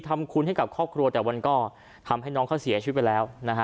ทำคุณให้กับครอบครัวแต่มันก็ทำให้น้องเขาเสียชีวิตไปแล้วนะฮะ